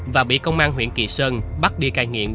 và bị công an huyện kỳ sơn bắt đi cai nghiện